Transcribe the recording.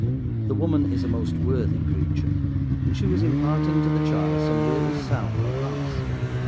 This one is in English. The woman is a most worthy creature, and she was imparting to the child some really sound advice.